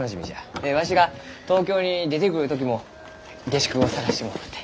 わしが東京に出てくる時も下宿を探してもろうて。